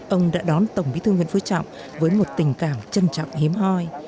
ông đã đón tổng bí thư nguyễn phú trọng với một tình cảm trân trọng hiếm hoi